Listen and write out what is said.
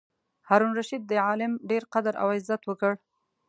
هارون الرشید د عالم ډېر قدر او عزت وکړ.